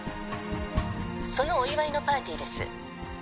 「そのお祝いのパーティーです」